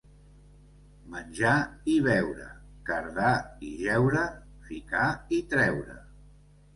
Menjar i beure, cardar i jeure, ficar i treure...